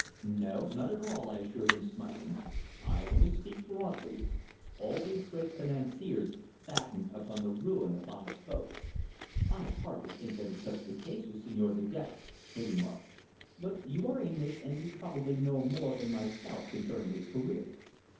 "No, not at all," I assured him, smiling. "I only speak broadly. All these great financiers fatten upon the ruin of honest folk." "I hardly think that such is the case with Señor De Gex," he remarked. "But you are English, and you probably know more than myself concerning his career."